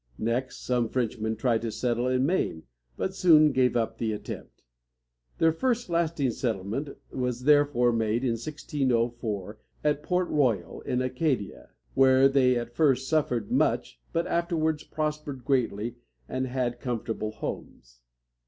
Next, some Frenchmen tried to settle in Maine, but soon gave up the attempt. Their first lasting settlement was therefore made in 1604, at Port. Royal in A ca´di a, where they at first suffered much, but afterwards prospered greatly and had comfortable homes.